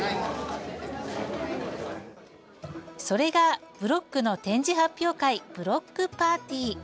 それがブロックの展示発表会ブロックパーティー。